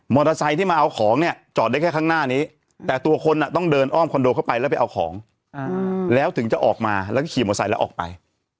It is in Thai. ที่มาเอาของเนี่ยจอดได้แค่ข้างหน้านี้แต่ตัวคนต้องเดินอ้อมคอนโดเข้าไปแล้วไปเอาของแล้วถึงจะออกมาแล้วก็ขี่มอไซค์แล้วออกไป